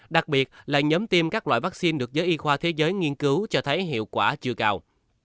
đặc biệt là nhóm tiêm các loại vaccine được giới y khoa thế giới nghiên cứu cho thấy hiệu quả chưa cao